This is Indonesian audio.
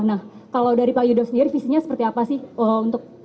nah kalau dari pak yudo sendiri visinya seperti apa sih